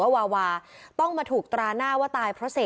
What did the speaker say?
พี่น้องวาหรือว่าน้องวาหรือ